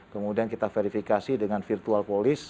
kemudian kita verifikasi dengan virtual police